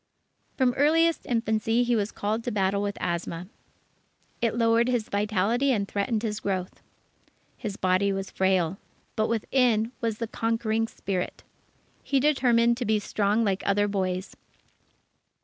From earliest infancy he was called to battle with asthma. It lowered his vitality and threatened his growth. His body was frail, but within was the conquering spirit. He determined to be strong like other boys.